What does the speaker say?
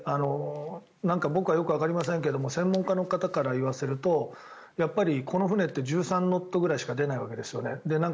僕はよくわかりませんが専門家の方から言わせるとやっぱりこの船って１３ノットぐらいしか出ないわけですよね。